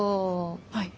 はい。